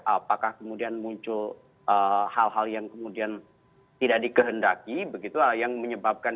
apakah kemudian muncul hal hal yang kemudian tidak dikehendaki begitu yang menyebabkan